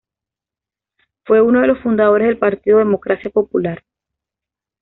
Fue uno de los fundadores del partido Democracia Popular.